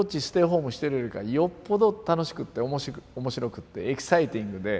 ホームしてるよりかよっぽど楽しくって面白くてエキサイティングで。